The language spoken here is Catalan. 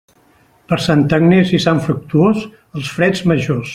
Per Santa Agnés i Sant Fructuós, els freds majors.